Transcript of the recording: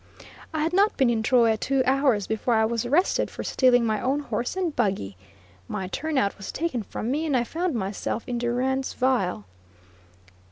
I had not been in Troy two hours before I was arrested for stealing my own horse and buggy! My turnout was taken from me, and I found myself in durance vile.